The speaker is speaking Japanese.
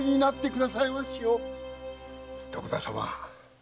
徳田様。